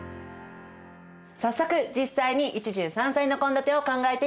早速実際に一汁三菜の献立を考えていきましょう。